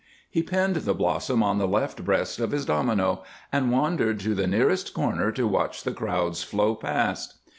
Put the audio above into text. He pinned the blossom on the left breast of his domino, and wandered to the nearest corner to watch the crowds flow past.